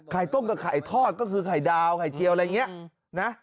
ต้มกับไข่ทอดก็คือไข่ดาวไข่เจียวอะไรอย่างนี้นะ